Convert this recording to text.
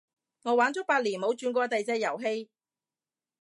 我玩足八年冇轉過第隻遊戲